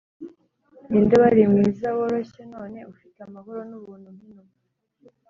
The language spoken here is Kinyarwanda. ninde wari mwiza, woroshye none ufite amahoro nubuntu nkinuma.